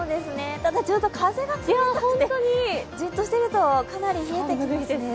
ただ、ちょっと風が強くて、じっとしてると、かなり冷えてきます。